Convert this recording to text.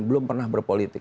belum pernah berpolitik